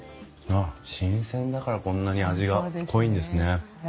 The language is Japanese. ああ新鮮だからこんなに味が濃いんですね。